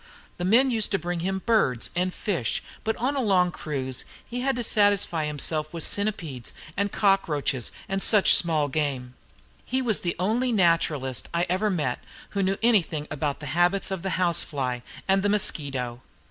The men used to bring him birds and fish, but on a long cruise he had to satisfy himself with centipedes and cockroaches and such small game. He was the only naturalist I ever met who knew anything about the habits of the house fly and the mosquito.